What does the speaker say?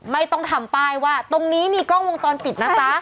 ไม่ต้องทำป้ายว่าตรงนี้มีกล้องวงจรปิดนะจ๊ะ